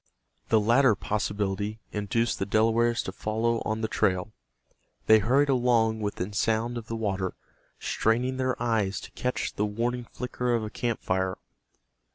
The latter possibility induced the Delawares to follow on the trail. They hurried along within sound of the water, straining their eyes to catch the warning flicker of a camp fire.